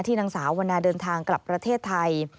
นางสาววันนาเดินทางกลับประเทศไทย